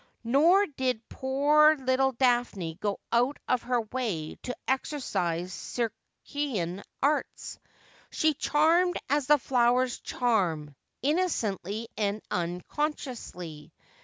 Nor did poor little Daphne go out of her way to exercise Circean arts. She charmed as the flowers charm, innocently and unconsciously.